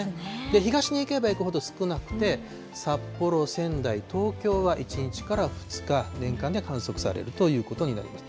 東に行けば行くほど少なくて、札幌、仙台、東京は１日から２日、年間で観測されるということになります。